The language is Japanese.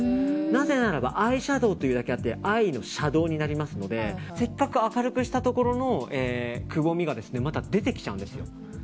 なぜならばアイシャドーというだけあってアイのシャドーなのでせっかく明るくしたところのくぼみがまた出てきちゃうんです。